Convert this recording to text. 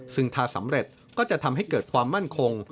ซึ่งถ้าสำเร็จก็จะทำให้เกิดความมั่นคง